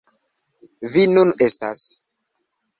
Vi nun estas.